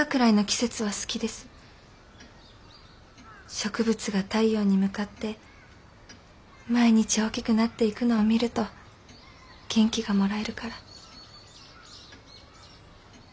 植物が太陽に向かって毎日大きくなっていくのを見ると元気がもらえるから。